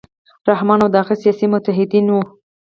رحمان او د هغه سیاسي متحدینو